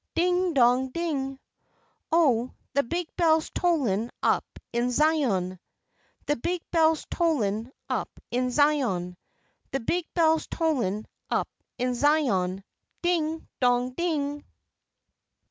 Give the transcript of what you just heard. Ding, Dong, Ding. Chorus Oh, the big bell's tollin' up in Zion, The big bell's tollin' up in Zion, The big bell's tollin' up in Zion, Ding, Dong Ding.